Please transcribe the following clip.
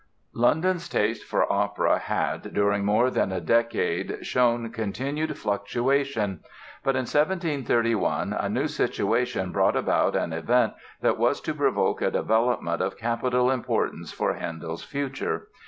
London's taste for opera had, during more than a decade shown continued fluctuation. But in 1731 a new situation brought about an event that was to provoke a development of capital importance for Handel's future.